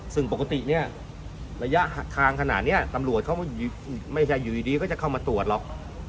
ซึ่งปกติเนี่ยระยะทางขนาดนี้ตำรวจเขาไม่ใช่อยู่ดีก็จะเข้ามาตรวจหรอก